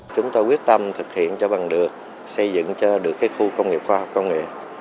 chúng tôi quyết tâm thực hiện cho bằng được xây dựng cho được khu công nghiệp khoa học công nghệ